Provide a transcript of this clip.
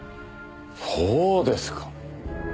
そうですか。